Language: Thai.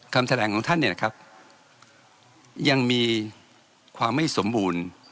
คำแถลงของท่านเนี่ยนะครับยังมีความไม่สมบูรณ์